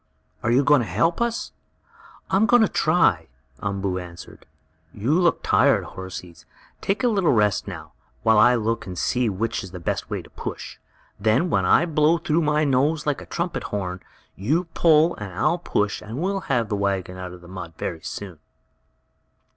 "Are you going to help us?" "I am going to try," Umboo answered. "You look tired, horsies! Take a little rest now, while I look and see which is the best way to push. Then, when I blow through my nose like a trumpet horn, you pull and I'll push, and we'll have the wagon out of the mud very soon!"